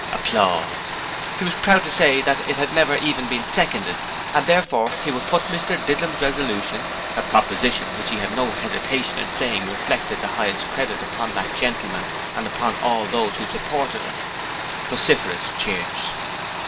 He was proud to say that it had never even been seconded, and therefore he would put Mr Didlum's resolution a proposition which he had no hesitation in saying reflected the highest credit upon that gentleman and upon all those who supported it. (Vociferous cheers.)